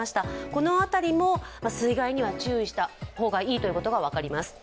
この辺りも水害には注意した方がいいということが分かります。